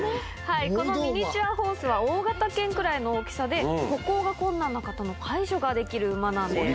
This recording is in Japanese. このミニチュアホースは、大型犬くらいの大きさで、歩行が困難な方の介助ができる馬なんです。